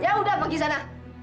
ya udah pergi sana